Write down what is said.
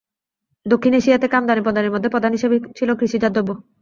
দক্ষিণ এশিয়া থেকে আমদানি পণ্যের মধ্যে প্রধান হিসেবে ছিল কৃষিজাত খাদ্য।